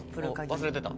忘れてた？